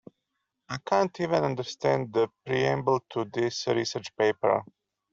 I can’t even understand the preamble to this research paper.